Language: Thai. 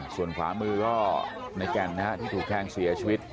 ส่วนขวามือก็ในแก่นที่ถูกแทงเสียชีวิต